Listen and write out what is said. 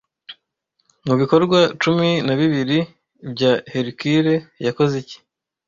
Mubikorwa cumi na bibiri bya Hercules yakoze iki